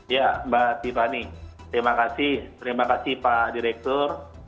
ya mbak tiffany terima kasih terima kasih pak direktur